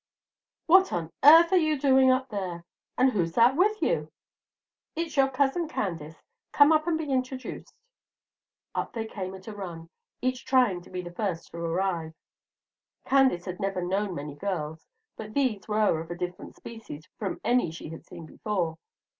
"What on earth are you doing up there? And who's that with you?" "It's your cousin Candace. Come up and be introduced." Up they came at a run, each trying to be the first to arrive. Candace had never known many girls, but these were of a different species from any she had seen before.